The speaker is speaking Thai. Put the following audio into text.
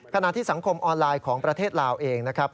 ขณะที่สังคมออนไลน์ของประเทศลาวเองนะครับ